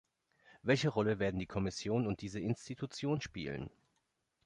Welche Rolle werden die Kommission und diese Institution spielen?